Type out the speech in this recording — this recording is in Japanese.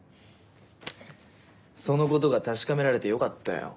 そのことが確かめられてよかったよ。